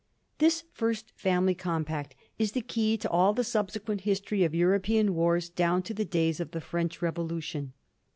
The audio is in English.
This first family compact is the key to all the subse quent history of European wars down to the days of the French Revolution.